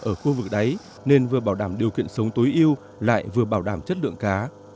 ở khu vực đáy nên vừa bảo đảm điều kiện sống tối yêu lại vừa bảo đảm chất lượng cá